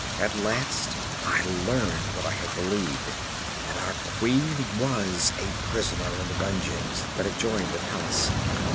At last I learned what I had believed that our queen was a prisoner in the dungeons that adjoin the palace.